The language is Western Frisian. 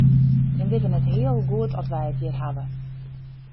Jimme witte net heal hoe goed oft wy it hjir hawwe.